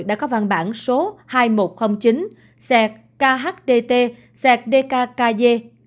đã có văn bản số hai nghìn một trăm linh chín khdt dkky